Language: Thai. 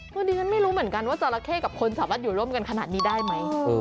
คือดิฉันไม่รู้เหมือนกันว่าจราเข้กับคนสามารถอยู่ร่วมกันขนาดนี้ได้ไหม